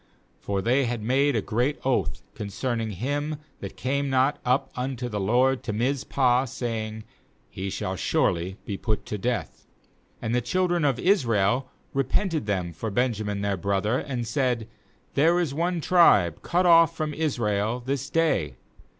For they had made a great oath con cerning him that came not up unto the LORD to Mizpah, saying: 'He shall surely be put to death.' 6And the children of Israel repented them for Benjamin their brother, and said: 'There is one tribe cut off from Israel this day.